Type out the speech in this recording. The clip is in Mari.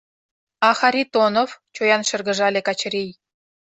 — А Харитонов? — чоян шыргыжале Качырий.